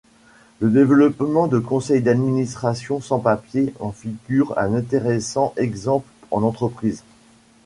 Le développement de conseil d'administration sans papier en figure un intéressant exemple en entreprise.